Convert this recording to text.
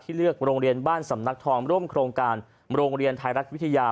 เลือกโรงเรียนบ้านสำนักทองร่วมโครงการโรงเรียนไทยรัฐวิทยา